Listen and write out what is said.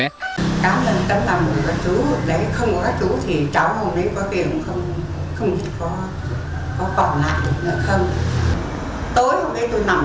cháu bắt đầu làm một cái chú để không có cái chú thì cháu hôm nay có việc không có còn lại được nữa không